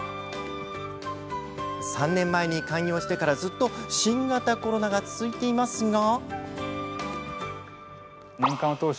３年前に開業してから、ずっと新型コロナが続いていますが。